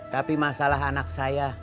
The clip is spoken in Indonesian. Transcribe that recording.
tapi masalah anak saya